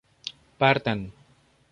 partan